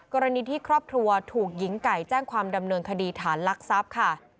กรณีที่ครอบครัวถูกหญิงไก่แจ้งความดำเนินคดีฐานลักทรัพย์ค่ะ